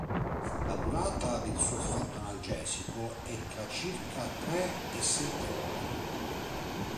La durata del suo effetto analgesico è tra circa tre e sette ore.